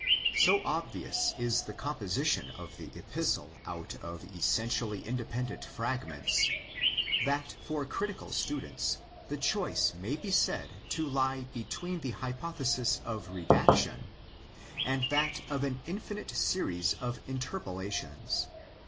So obvious is the composition of the Epistle out of essentially independent fragments that for critical students the choice may be said to lie between the hypothesis of redaction and that of an infinite series of interpolations.